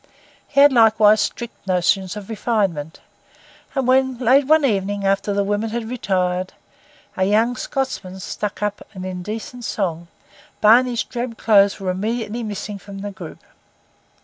He had likewise strict notions of refinement; and when, late one evening, after the women had retired, a young Scotsman struck up an indecent song, Barney's drab clothes were immediately missing from the group.